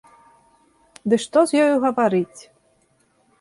Ды што з ёю гаварыць!